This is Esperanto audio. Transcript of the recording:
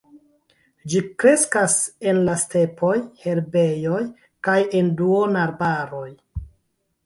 Ĝi kreskas en la stepoj, herbejoj kaj en duonarbaroj.